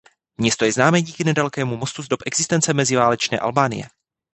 Město je známé díky nedalekému mostu z dob existence meziválečné Albánie.